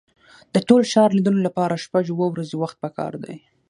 د ټول ښار لیدلو لپاره شپږ اوه ورځې وخت په کار دی.